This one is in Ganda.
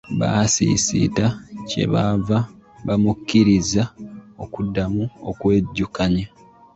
Basiisita kye baava bamukkiriza okuddamu okwejjukanya.